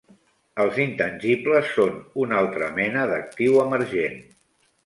Els intangibles són una altra mena d'actiu emergent.